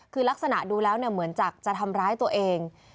คือลักษณะดูแล้วเหมือนจะทำร้ายตัวเอง